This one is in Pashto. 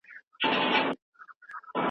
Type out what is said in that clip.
سفیرانو به خپل سفارتونه پرانیستي وي.